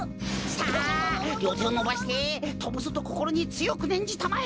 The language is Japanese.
さありょうてをのばしてとぶぞとこころにつよくねんじたまえ！